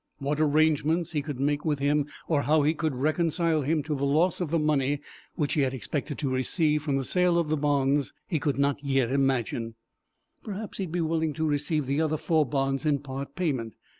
What arrangements he could make with him, or how he could reconcile him to the loss of the money which he had expected to receive from the sale of the bonds, he could not yet imagine. Perhaps he would be willing to receive the other four bonds in part payment.